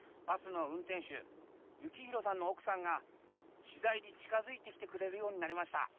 バスの運転手幸広さんの奥さんが次第に近づいてきてくれるようになりました。